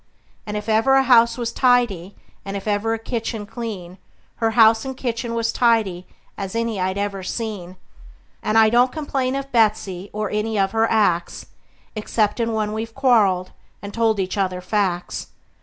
And if ever a house was tidy, and ever a kitchen clean, Her house and kitchen was tidy as any I ever seen; And I don't complain of Betsey, or any of her acts, Exceptin' when we've quarreled, and told each other facts.